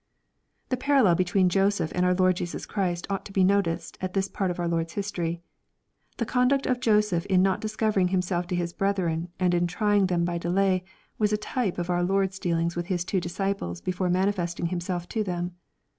The parallel between Joseph and our Lord Jesus Christ ought to be noticed at this part of our Lord's history. The conduct of Jo seph in not discovering himself to his brethren, and in trying them by delay, was a type of our Lord's dealings with His two disci ples before manifesting Himself to them.